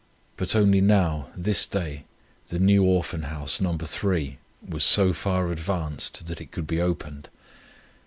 But only now, this day, the New Orphan House No. 3 was so far advanced, that it could be opened.